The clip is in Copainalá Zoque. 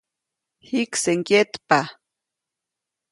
Jikse ŋgyetpa.